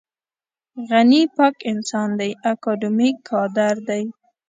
غني پاک انسان دی اکاډمیک کادر دی.